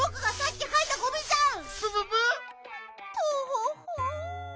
トホホ。